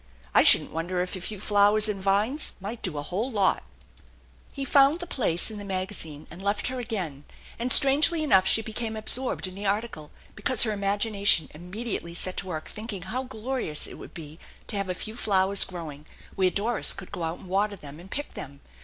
I shouldn't wonder if a few flowers and vines might do a whole lot/' He found the place in the magazine, and left her again; and strangely enough she became absorbed in the article be cause her imagination immediately set to work thinking how glorious it would be to have a few flowers growing where Doris could go out and water them and pick them.